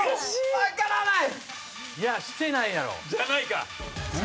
分からない！